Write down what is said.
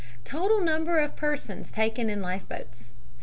Total number of persons taken in life boats, 711.